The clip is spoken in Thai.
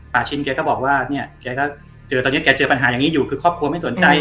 ป่าชิ้นก็บอกว่าเธอเจอปัญหาอย่างนี้อยู่คือครอบครัวไม่สนใจ